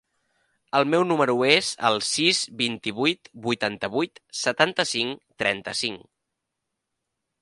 El meu número es el sis, vint-i-vuit, vuitanta-vuit, setanta-cinc, trenta-cinc.